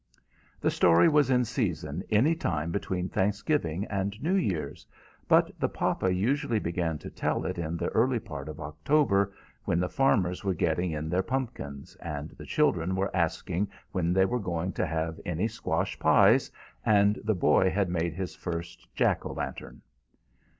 The story was in season any time between Thanksgiving and New Years; but the papa usually began to tell it in the early part of October, when the farmers were getting in their pumpkins, and the children were asking when they were going to have any squash pies, and the boy had made his first jack o' lantern.